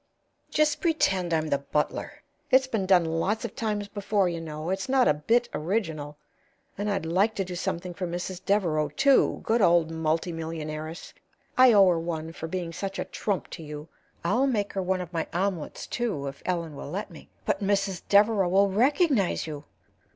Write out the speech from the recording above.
"Just pretend I'm the butler. It's been done lots of times before, you know; it's not a bit original. And I'd like to do something for Mrs. Devereaux, too, good old multi millionairess. I owe her one for being such a trump to you. I'll make her one of my omelets, too, if Ellen will let me." "But Mrs. Devereaux will recognize you!"